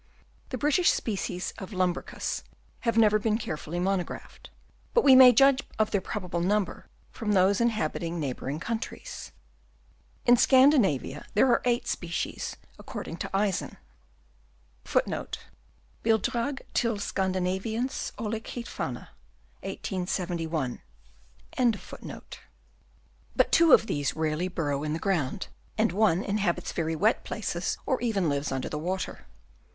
The British species of Lumbricus have never been carefully monographed; but we may judge of their probable number from those inhabiting neighbouring countries. In Scan dinavia there are eight species, according to Chap. I. SITES INHABITED. 9 Eisen ;* but two of these rarely burrow in the ground, and one inhabits very wet places or even lives under the water.